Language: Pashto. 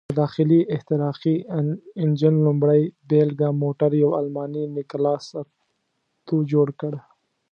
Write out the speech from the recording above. د داخلي احتراقي انجن لومړۍ بېلګه موټر یو الماني نیکلاس اتو جوړ کړ.